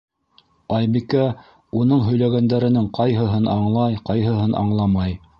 Айбикә уның һөйләгәндәренең ҡайһыһын аңлай, ҡайһыһын аңламай.